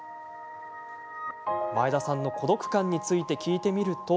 前田さんの孤独感について聞いてみると。